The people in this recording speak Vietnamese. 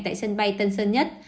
tại sân bay tân sơn nhất